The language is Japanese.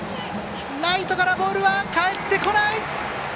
ライトからボールはかえってこない！